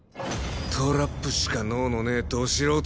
トラップしか能のねえド素人が。